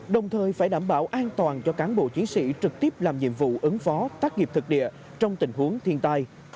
đồng thời phải đảm bảo an toàn cho cán bộ chiến sĩ trực tiếp làm nhiệm vụ ứng phó tác nghiệp thực địa trong tình huống thiên tai